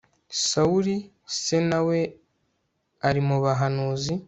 sawuli se na we ari mu bahanuzi